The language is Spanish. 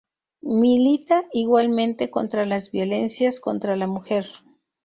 Milita igualmente contra las violencias contra la mujer.